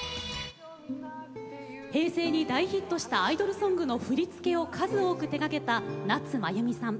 平成に大ヒットしたアイドルソングの振り付けを数多く手がけた夏まゆみさん。